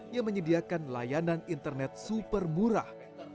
yang menyediakan layanan internet super murah